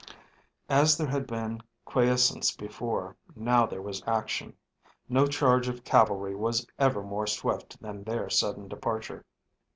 As there had been quiescence before, now there was action. No charge of cavalry was ever more swift than their sudden departure.